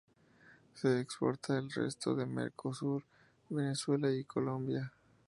Se exporta al resto del Mercosur, Venezuela y Colombia.